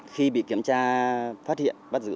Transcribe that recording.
khi bị kiểm tra phát hiện bắt giữ